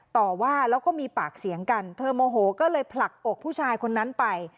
ต่อว่าแล้วก็มีปากเสียงกันเธอโมโหก็เลยผลักอกผู้ชายคนนั้นไป